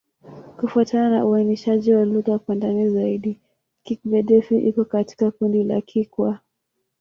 Kufuatana na uainishaji wa lugha kwa ndani zaidi, Kigbe-Defi iko katika kundi la Kikwa.